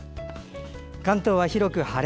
関東は、広く晴れ。